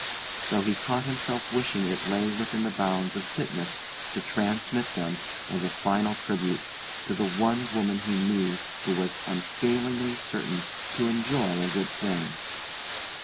though he caught himself wishing it lay within the bounds of fitness to transmit them, as a final tribute, to the one woman he knew who was unfailingly certain to enjoy a good thing.